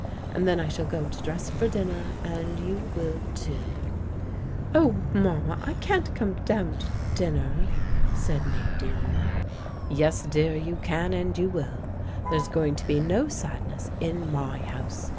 And then I shall go to dress for dinner, and you will too " "Oh, Mama, I can't come down to dinner," said Nadine. "Yes, dear, you can and you will. There's going to be no sadness in my house.